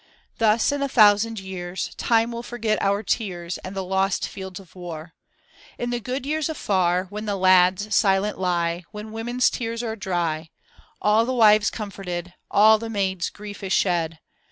Thus in a thousand years Time will forget our tears. And the lost fields of war. In the good years afar When the lads silent lie. When W(»nen's tears are dry. All the wives comforted, All the maid's grief is shed.